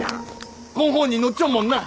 こん本に載っちょっもんな！